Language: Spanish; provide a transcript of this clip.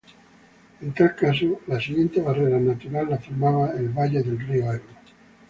En tal caso, la siguiente barrera natural la formaba el valle del río Ebro.